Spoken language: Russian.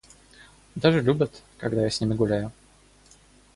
Даже любят, когда я с ними гуляю.